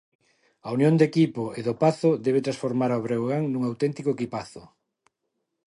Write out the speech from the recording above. A unión do equipo e do Pazo debe transformar ao Breogán nun auténtico equipazo.